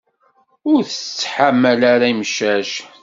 Ur tettḥamal ara imcac.